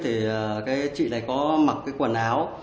thì chị này có mặc quần áo